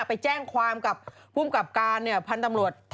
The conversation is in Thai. ไปแจ้งความกับภูมิกับการพันธุ์ตำรวจ